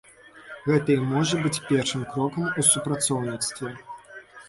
Гэта і можа быць першым крокам у супрацоўніцтве.